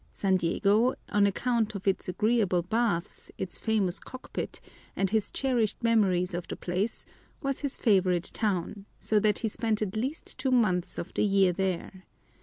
San Diego, on account of its agreeable baths, its famous cockpit, and his cherished memories of the place, was his favorite town, so that he spent at least two months of the year there.